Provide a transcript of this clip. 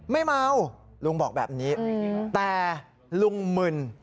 ไม่เมาลุงบอกแบบนี้แต่ลุงมึน